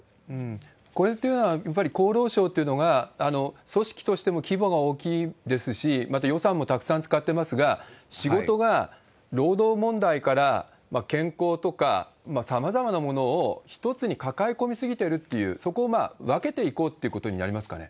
これっていうのは、やっぱり厚労省というのが組織としても規模が大きいですし、また予算もたくさん使ってますが、仕事が労働問題から、健康とか、さまざまなものを一つに抱え込みすぎているっていう、そこを分けていこうってことになりますかね？